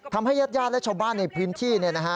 ทำให้ญาติญาติรัฐบ้านและชวนบ้านในพื้นที่นะครับ